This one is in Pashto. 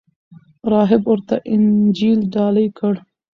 راهب ورته انجیل ډالۍ کړ.